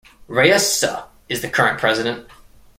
Rhea Suh is the current president.